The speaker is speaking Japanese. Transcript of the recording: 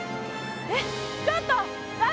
えっちょっと！